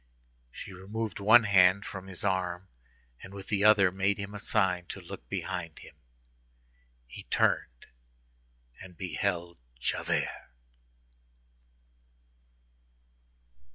She removed one hand from his arm, and with the other made him a sign to look behind him. He turned, and beheld Javert.